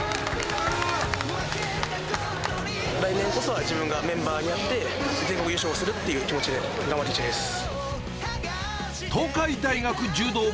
来年こそは自分がメンバーになって、全国優勝するっていう気持ちで頑張っていきたいです。